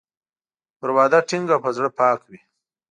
پر وعده ټینګ او په زړه پاک وي.